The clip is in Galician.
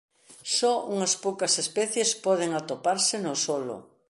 Só unhas poucas especies poden atoparse no solo.